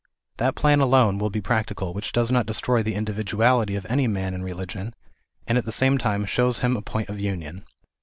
That plan alone will be practical, which does not destroy the individuality of any man in religion, and at the same time shows him a point of union.